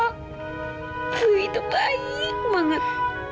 wuih itu baik banget